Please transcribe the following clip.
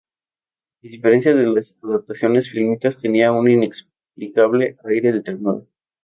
A diferencia de las adaptaciones fílmicas tenía un inexplicable aire de ternura.